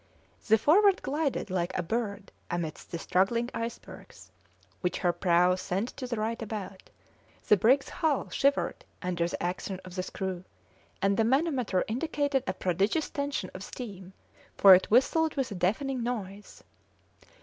The Forward glided like a bird amidst the struggling icebergs, which her prow sent to the right about; the brig's hull shivered under the action of the screw, and the manometer indicated a prodigious tension of steam, for it whistled with a deafening noise.